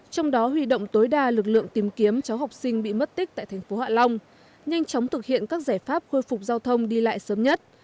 trong đó huy động tối đa lực lượng tìm kiếm cháu học sinh bị mất tích tại thành phố hạ long nhanh chóng thực hiện các giải pháp khôi phục giao thông đi lại sớm nhất